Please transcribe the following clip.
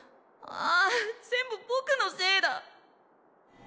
ああ全部ぼくのせいだ。